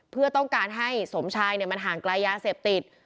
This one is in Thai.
เพื่อต้องการให้สมชายมันห่างไกลยาเสพติด